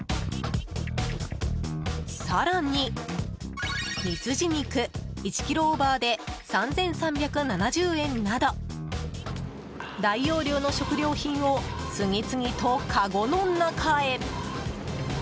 更に、ミスジ肉１ｋｇオーバーで３３７０円など大容量の食料品を次々とかごの中へ。